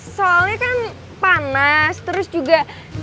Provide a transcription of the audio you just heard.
soalnya kan panas terus juga